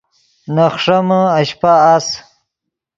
نے خݰیمے اشپہ اَس